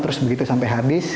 terus begitu sampai hard disk